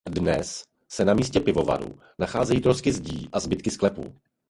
Dnes se na místě pivovaru nacházejí trosky zdí a zbytky sklepů.